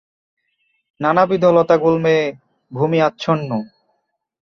নানাবিধ লতাগুল্মে ভূমি আচ্ছন্ন।